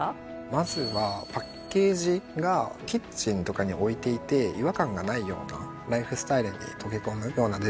まずはパッケージがキッチンとかに置いていて違和感がないようなライフスタイルに溶け込むようなデザインにしているということ。